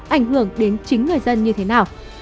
ảnh hưởng đến chính người dân như thế nào